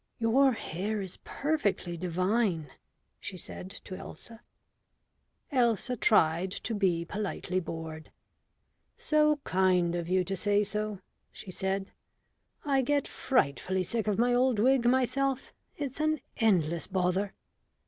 "Your hair is perfectly divine," she said to Elsa. Elsa tried to be politely bored. "So kind of you to say so," she said. "I get frightfully sick of my old wig myself. It's an endless bother."